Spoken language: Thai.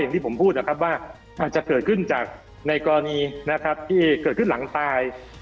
อย่างที่ผมพูดว่าอาจจะเกิดขึ้นจากในกรณีที่เกิดขึ้นหลังตาย